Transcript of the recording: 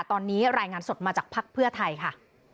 ตอนนี้รายงานสดมาจากภักดิ์เพื่อไทยค่ะ